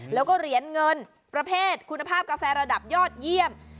แล้วก็เหรียญเงินประเภทคุณภาพกาแฟระดับยอดเยี่ยม